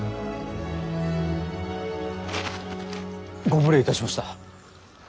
ご無礼いたしました。